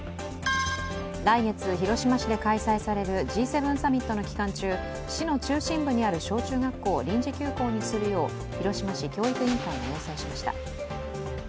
来月広島市で開催されるＧ７サミットの期間中、市の中心部にある小中学校を臨時休校にするよう広島市教育委員会が要請しました。